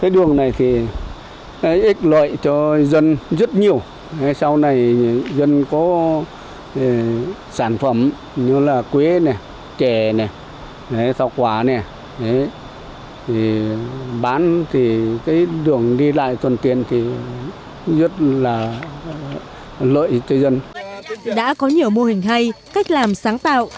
đã có nhiều mô hình hay cách làm sáng tạo